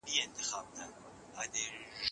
ملا ستړی و خو ذهن یې ویښ و.